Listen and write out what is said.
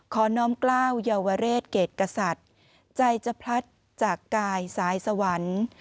น้อมกล้าวเยาวเรศเกรดกษัตริย์ใจจะพลัดจากกายสายสวรรค์